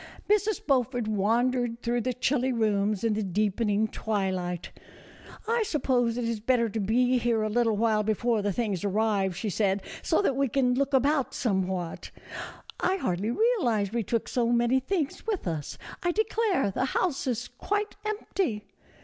Mrs. Beaufort wandered through the chilly rooms A FURNISHED COTTAGE BY THE SEA. 22$ in the deepening twilight ;" I supppose it is better to be here a little while before the things arrive," she said, " so that we can look about somewhat. I hardly realized we took so many things away with us. I declare the house is quite empty."